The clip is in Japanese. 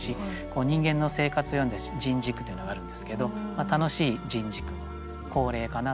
人間の生活を詠んだ「人事句」というのがあるんですけど楽しい人事句の好例かなと思いますね。